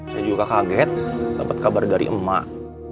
saya juga kaget dapat kabar dari emak